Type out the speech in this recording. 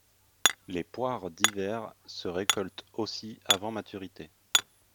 Les poires d'hiver se récoltent aussi avant maturité.